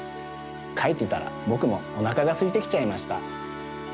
かいてたらぼくもおなかがすいてきちゃいました。